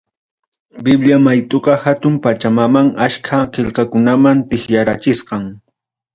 Biblia maytuqa hatun pachamanta achka qillqakunaman tikrachisqam.